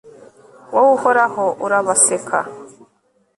wowe, uhoraho, urabaseka